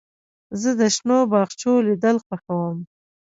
زه د شنو باغچو لیدل خوښوم.